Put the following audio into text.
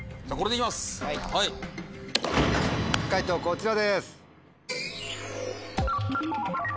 解答こちらです。